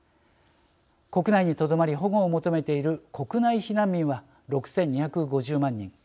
国内にとどまり保護を求めている国内避難民は６２５０万人。